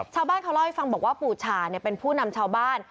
ชาวบ้านเขาเล่าให้ฟังบอกว่าปู่ชาเป็นผู้นำชาวบ้าน